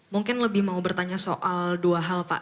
mungkin lebih mau bertanya soal dua hal pak